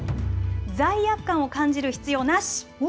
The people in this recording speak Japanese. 罪悪感を感じる必要なし。